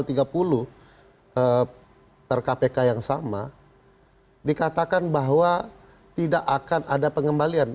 nah ini dikatakan bahwa per kpk yang sama dikatakan bahwa tidak akan ada pengembalian